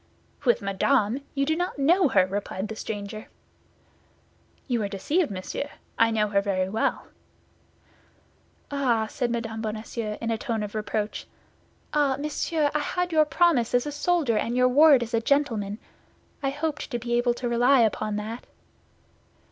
"With Madame! You do not know her," replied the stranger. "You are deceived, monsieur; I know her very well." "Ah," said Mme. Bonacieux; in a tone of reproach, "ah, monsieur, I had your promise as a soldier and your word as a gentleman. I hoped to be able to rely upon that."